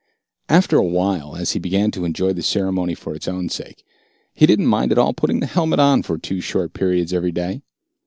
After awhile, as he began to enjoy the ceremony for its own sake, he didn't mind at all putting the helmet on for two short periods every day.